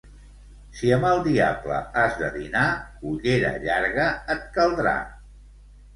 Si amb el diable has de dinar, cullera llarga et caldrà.